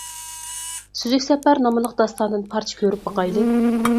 «سۈزۈك سەپەر» ناملىق داستاندىن پارچە كۆرۈپ باقايلى.